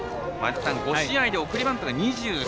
５試合で送りバントが２３。